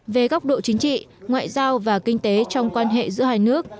về góc độ chính trị ngoại giao và kinh tế trong quan hệ giữa hai nước